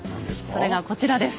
それがこちらです。